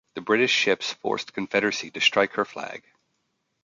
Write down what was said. The British ships forced "Confederacy" to strike her flag.